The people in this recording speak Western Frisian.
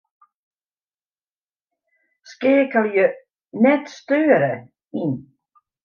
Skeakelje 'net steure' yn.